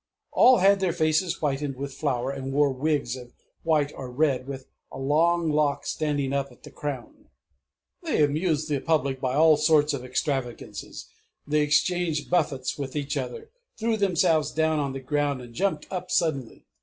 All had their faces whitened with flour, and wore wigs of white or red with a long lock standing up at the crown.... They amused the public by all sorts of extravagances; they exchanged buffets with each other; threw themselves down on the ground, and jumped up suddenly....